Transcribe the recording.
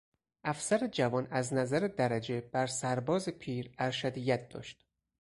افسر جوان از نظر درجه برسرباز پیر ارشدیت داشت.